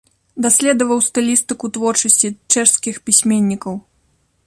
Даследаваў стылістыку творчасці чэшскіх пісьменнікаў.